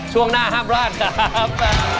ช่วงหน้าห้ามพลาดครับ